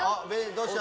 どうした？